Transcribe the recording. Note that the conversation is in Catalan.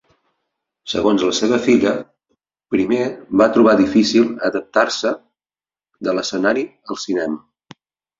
Segons la seva filla, primer va trobar difícil adaptar-se de l'escenari al cinema.